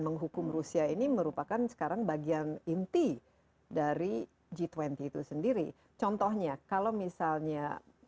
menghukum rusia ini merupakan sekarang bagian inti dari g dua puluh itu sendiri contohnya kalau misalnya